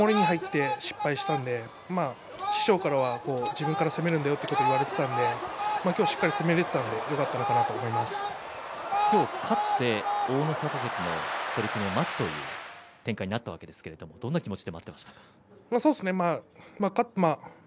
昨日守りに入ってしまったので師匠からは自分から攻めるんだよと言われていたので今日しっかり攻めることが今日勝った大の里関の取組を待つという展開になったわけですけれどどんな気持ちで待っていましたか。